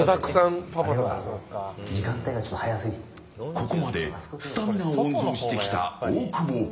ここまでスタミナを温存してきた大久保。